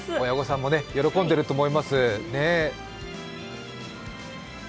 親御さんも喜んでいると思います。